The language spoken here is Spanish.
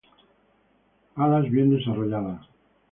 Alas bien desarrolladas.